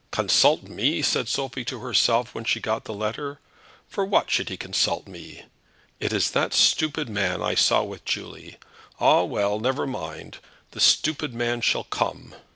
"Consult me!" said Sophie to herself, when she got the letter. "For what should he consult me? It is that stupid man I saw with Julie. Ah, well; never mind. The stupid man shall come."